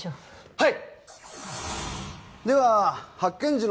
はい。